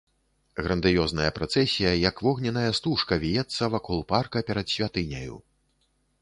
Грандыёзная працэсія як вогненная стужка віецца вакол парка перад святыняю.